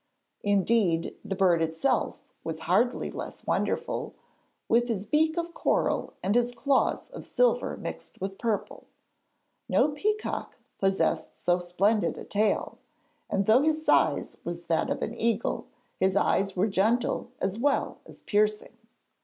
Indeed, the bird itself was hardly less wonderful, with his beak of coral and his claws of silver mixed with purple. No peacock possessed so splendid a tail, and though his size was that of an eagle, his eyes were gentle as well as piercing.